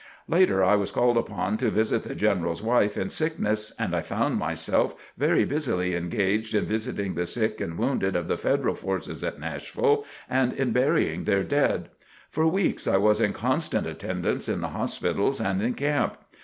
Later I was called upon to visit the General's wife in sickness and I found myself very busily engaged in visiting the sick and wounded of the Federal forces at Nashville and in burying their dead. For weeks I was in constant attendance in the hospitals and in camp.